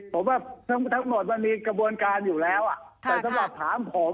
ผมว่าทั้งหมดมันมีกระบวนการอยู่แล้วแต่สำหรับถามผม